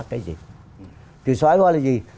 cái gì thì sợi hóa là gì